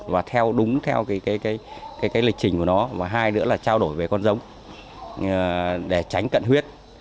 và đúng theo lịch trình của nó và hai nữa là trao đổi về con giống để tránh cận huyết